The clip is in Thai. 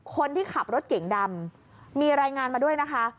คนที่ขับรถเก่งดำมีรายงานมาด้วยนะคะ